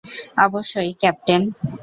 অবশ্যই, ক্যাপ্টেন।